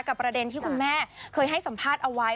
ประเด็นที่คุณแม่เคยให้สัมภาษณ์เอาไว้